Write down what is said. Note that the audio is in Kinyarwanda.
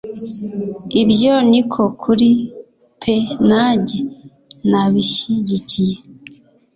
Ibyo niko kuri peee nanjye nabishyigikiye.